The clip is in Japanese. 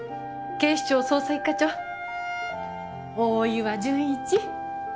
警視庁捜査一課長大岩純一！